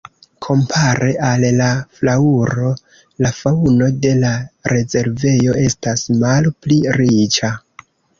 Kompare al la flaŭro la faŭno de la rezervejo estas malpli riĉa.